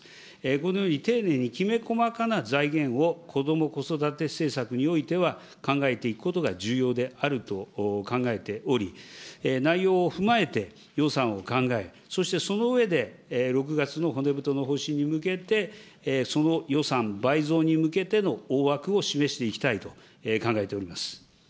このように丁寧にきめ細かな財源をこども・子育て政策においては考えていくことが重要であると考えており、内容を踏まえて、予算を考え、そしてその上で、６月の骨太の方針に向けて、その予算倍増に向けての大枠を示していきたいと考えております。